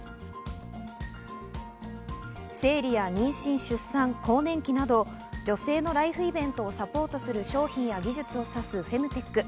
生理や妊娠出産、更年期など女性のライフイベントをサポートする商品や技術を指すフェムテック。